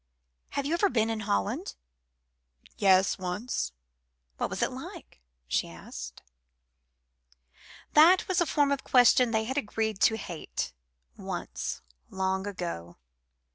"Have you ever been in Holland?" "Yes, once." "What was it like?" she asked. That was a form of question they had agreed to hate once, long ago.